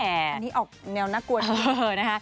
อันนี้ออกแนวนักกวนเลย